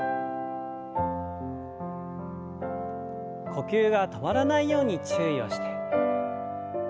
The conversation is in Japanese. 呼吸が止まらないように注意をして。